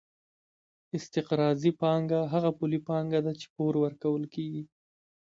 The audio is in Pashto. استقراضي پانګه هغه پولي پانګه ده چې پور ورکول کېږي